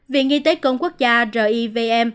viện nghị tế công quốc gia rivm